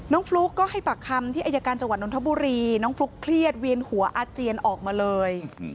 ฟลุ๊กก็ให้ปากคำที่อายการจังหวัดนทบุรีน้องฟลุ๊กเครียดเวียนหัวอาเจียนออกมาเลย